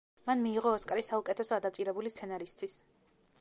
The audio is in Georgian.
მან მიიღო ოსკარი საუკეთესო ადაპტირებული სცენარისთვის.